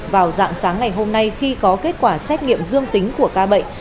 vào dạng sáng ngày hôm nay khi có kết quả xét nghiệm dương tính của ca bệnh